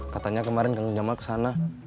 katanya kemarin kang jamal kesana